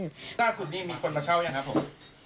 ล่าสุดนี้มีคนมาเช่ายังครับผม